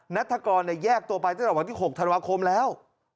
นัทธกรแยกตัวไปตั้งแต่วันที่๖ธันวาคมแล้ว